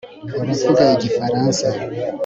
Uravuga Igifaransa